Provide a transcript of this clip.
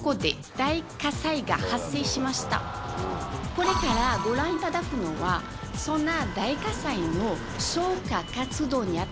これからご覧いただくのはそんな。